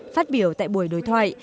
phát biểu tại buổi đối thoại